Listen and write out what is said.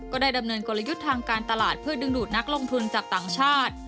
ก็ได้รับเงินโคลยุทางการตลาดเพื่อดึงดูดนักลงทุนจากตั้งชาติ